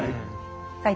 はい。